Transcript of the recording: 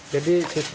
jadi setidaknya online